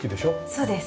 そうです。